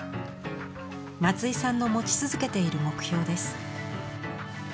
松井さんの持ち続けている目標です。